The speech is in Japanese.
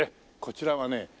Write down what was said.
こちらはね